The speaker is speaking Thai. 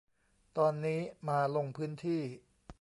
ตอนนี้มาลงพื้นที่